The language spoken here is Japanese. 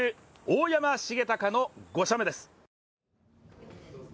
大山重隆の５射目です。